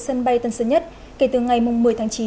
sân bay tân sơn nhất kể từ ngày một mươi tháng chín